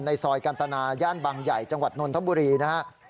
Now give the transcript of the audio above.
ในซอยกันตานะย่านบังใหญ่จังหวัดนนรธรรมบุรีนะฮะ